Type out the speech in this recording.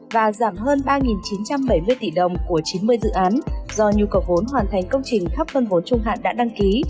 và giảm hơn ba chín trăm bảy mươi tỷ đồng của chín mươi dự án do nhu cầu vốn hoàn thành công trình thấp phân vốn trung hạn đã đăng ký